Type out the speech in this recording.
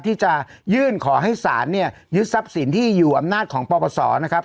ที่จะยื่นขอให้ศาลเนี่ยยึดทรัพย์สินที่อยู่อำนาจของปปศนะครับ